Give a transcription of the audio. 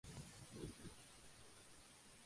Son los títulos que le han consagrado como narrador.